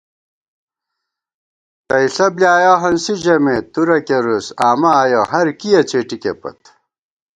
تئیݪہ بۡلیایَہ ہنسی ژَمېت، تُرہ کېرُس آمہ آیَہ ہرکِیہ څېٹِکےپت